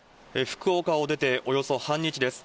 福岡を出て、およそ半日です。